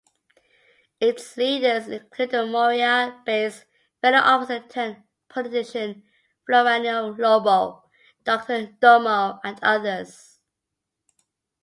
Its leaders include the Moira-based radio officer-turned-politician Floriano Lobo, Doctor Dumo and others.